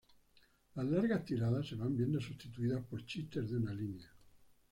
Las largas tiradas se van viendo sustituidas por chistes de una línea.